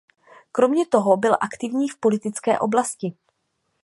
Kromě toho byl aktivní v politické oblasti.